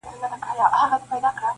• لکه نه چي وي روان داسي پر لار ځي -